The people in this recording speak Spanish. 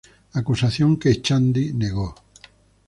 Acusación que Echandi negó.